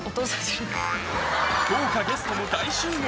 豪華ゲストも大集合。